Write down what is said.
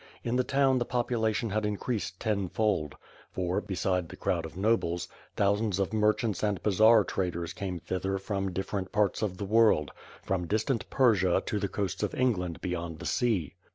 In the town the population had increased ten fold; for, beside the crowd of nobles, thousands of merchants and bazaar traders came thither from different parts of the world, from distant Persia to the coasts of England beyond the sea.